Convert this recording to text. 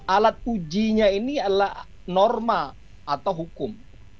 alat ujinya ini adalah norma atau hukum